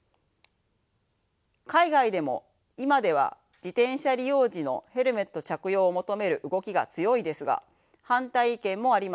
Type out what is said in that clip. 海外でも今では自転車利用時のヘルメット着用を求める動きが強いですが反対意見もありました。